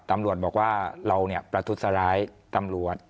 ตำรวจบอกว่าเราประทุษร้ายตำรวจ